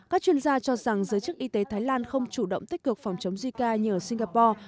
các chuyên gia cho rằng giới chức y tế thái lan không chủ động tích cực phòng chống jica như ở singapore